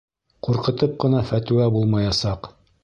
Ҡурҡытып ҡына фәтүә булмаясаҡ.